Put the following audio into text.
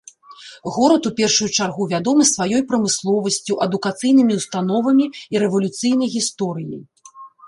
Горад у першую чаргу вядомы сваёй прамысловасцю, адукацыйнымі ўстановамі і рэвалюцыйнай гісторыяй.